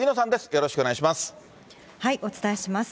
よろしくお願いします。